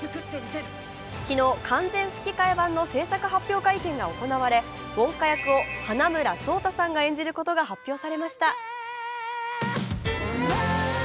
昨日、完全吹き替え版の製作発表会見が行われウォンカ役を花村想太さんが演じることが発表されました。